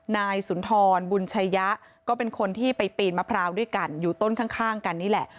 นายสุนทรบุญชัยะก็เป็นคนที่ไปปีนมะพร้าวด้วยกันอยู่ต้นข้างกันนี่แหละ